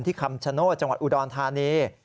คำชโนธจังหวัดอุดรธานี